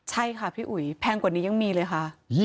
ใช่ค่ะพี่อุ๋ยแพงกว่านี้ยังมีเลยค่ะ